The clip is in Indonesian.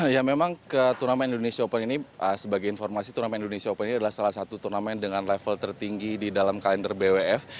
ya memang ke turnamen indonesia open ini sebagai informasi turnamen indonesia open ini adalah salah satu turnamen dengan level tertinggi di dalam kalender bwf